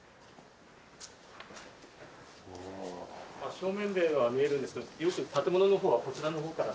正面殿は見えるんですけど建物の方はこちらの方から。